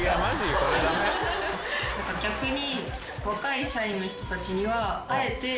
逆に。